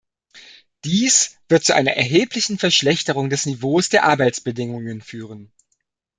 Dies wird zu einer erheblichen Verschlechterung des Niveaus der Arbeitsbedingungen führen.